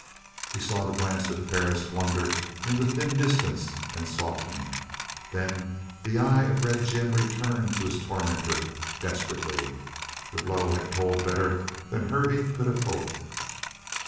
He saw the glance of Perris wander into thin distance and soften. Then the eye of Red Jim returned to his tormentor, desperately. The blow had told better than Hervey could have hoped.